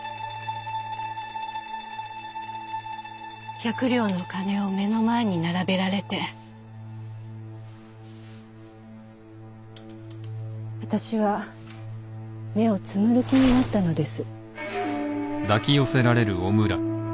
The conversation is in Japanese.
百両の金を目の前に並べられて私は目をつむる気になったのです。